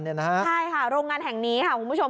ใช่ค่ะโรงงานแห่งนี้ค่ะคุณผู้ชม